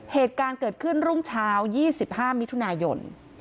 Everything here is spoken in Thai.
เหตุการณ์เกิดขึ้นรุ่งเช้า๒๕มิถุนายน